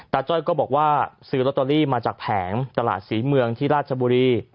จ้อยก็บอกว่าซื้อลอตเตอรี่มาจากแผงตลาดศรีเมืองที่ราชบุรี